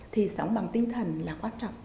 thì sống bằng tinh thần là quan trọng